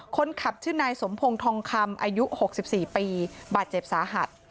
คนขับชื่อนายสมพงศ์ทองคำอายุ๖๔ปีบาดเจ็บสาหัส